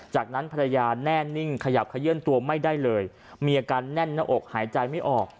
จากนั้นภรรยาแน่นิ่งขยับขยื่นตัวไม่ได้เลยมีอาการแน่นหน้าอกหายใจไม่ออก